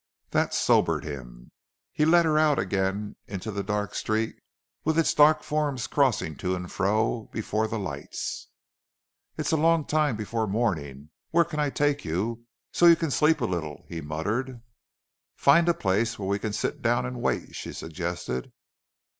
That sobered him. He led her out again into the dark street with its dark forms crossing to and fro before the lights. "It's a long time before morning. Where can I take you so you can sleep a little?" he muttered. "Find a place where we can sit down and wait," she suggested.